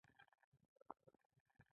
باد لږیږی